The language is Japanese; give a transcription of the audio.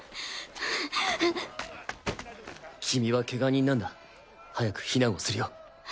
君はケガ人なんだ早く避難をするよ。